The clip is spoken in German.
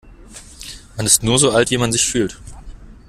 Man ist nur so alt, wie man sich fühlt.